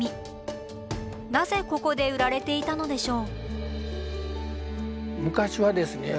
なぜここで売られていたのでしょう？